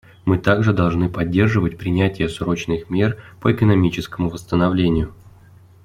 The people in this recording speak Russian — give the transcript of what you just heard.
Мы также должны поддерживать принятие срочных мер по экономическому восстановлению.